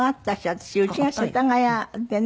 私うちが世田谷でね